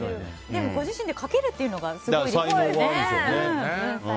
でもご自身で書けるというのがすごいですよね。